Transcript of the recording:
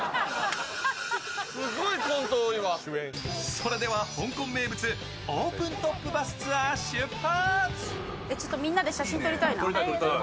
それでは香港名物、オープントップバスツアー出発！